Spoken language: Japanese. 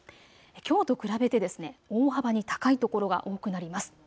きょうと比べて大幅に高い所が多くなります。